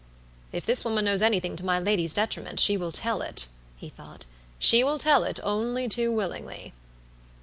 "If this woman knows anything to my lady's detriment, she will tell it," he thought. "She will tell it only too willingly."